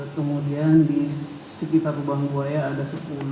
kemudian di sekitar lubang buaya ada sepuluh